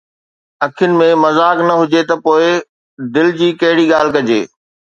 اکين ۾ مذاق نه هجي ته پوءِ دل جي ڪهڙي ڳالهه ڪجي